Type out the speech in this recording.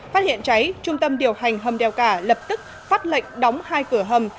phát hiện cháy trung tâm điều hành hầm đèo cả lập tức phát lệnh đóng hai cửa hầm